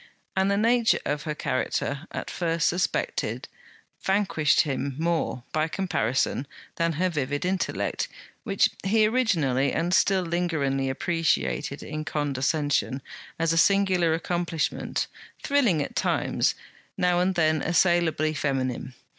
And the nature of her character, at first suspected, vanquished him more, by comparison, than her vivid intellect, which he originally, and still lingeringly, appreciated in condescension, as a singular accomplishment, thrilling at times, now and then assailably feminine.